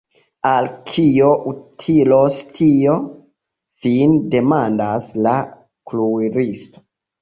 Al kio utilos tio?fine demandas la kuiristo.